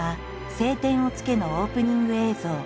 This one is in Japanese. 「青天を衝け」のオープニング映像。